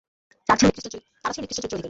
তারা ছিল নিকৃষ্ট চরিত্রের অধিকারী।